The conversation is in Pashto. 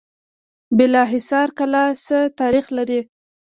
بالاحصار کلا څه تاریخ لري؟